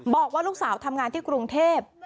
บอกว่าลูกสาวทำงานที่กรุงเทพ